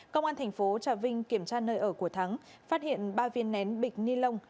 công an thành phố trà vinh kiểm tra nơi ở của thắng phát hiện ba viên nén bịch ni lông